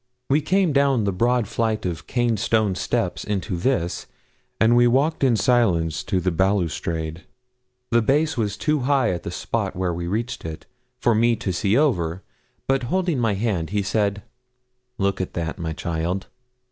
We came down the broad flight of Caen stone steps into this, and we walked in silence to the balustrade. The base was too high at the spot where we reached it for me to see over; but holding my hand, he said, 'Look through that, my child.